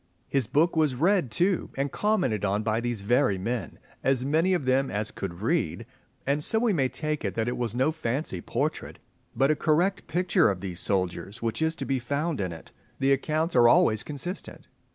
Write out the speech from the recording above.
His book was read too, and commented on by these very men (as many of them as could read), and so we may take it that it was no fancy portrait, but a correct picture of these soldiers which is to be found in it. The accounts are always consistent.